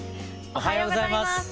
おはようございます。